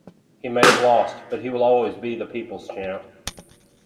He may have lost, but he will always be the people's champ.